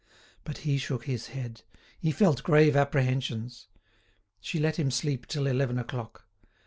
But he shook his head; he felt grave apprehensions. She let him sleep till eleven o'clock.